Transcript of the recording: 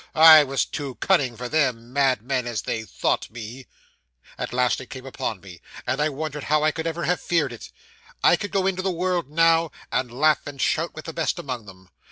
I was too cunning for them, madman as they thought me. 'At last it came upon me, and I wondered how I could ever have feared it. I could go into the world now, and laugh and shout with the best among them.